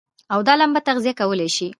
او دا لمبه تغذيه کولای شي.